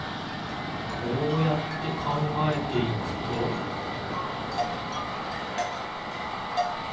こうやってかんがえていくとピッ！